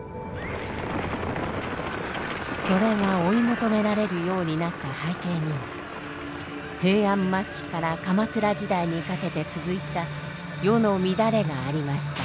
それが追い求められるようになった背景には平安末期から鎌倉時代にかけて続いた世の乱れがありました。